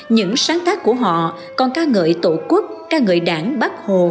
những sáng tác của họ còn ca ngợi tổ quốc ca ngợi đảng bắc hồ